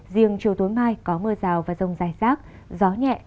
riêng chiều tối mai có mưa rào và rông dài rác gió nhẹ